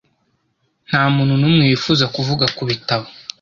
Ntamuntu numwe wifuza kuvuga kubitabo.